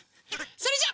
それじゃ。